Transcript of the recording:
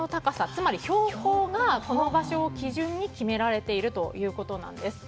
つまり標高が、この場所を基準に決められているということなんです。